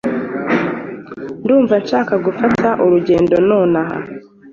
Ndumva nshaka gufata urugendo nonaha.